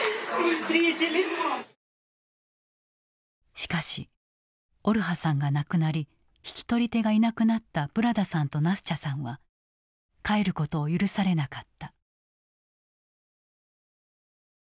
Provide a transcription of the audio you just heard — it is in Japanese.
しかしオルハさんが亡くなり引き取り手がいなくなったブラダさんとナスチャさんは帰ることを許されなかった。